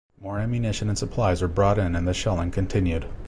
More ammunition and supplies were brought in and the shelling continued.